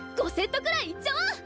５セットぐらいいっちゃおう！